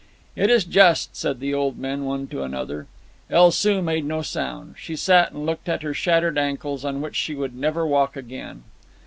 "It is just," said the old men, one to another. El Soo made no sound. She sat and looked at her shattered ankles, on which she would never walk again.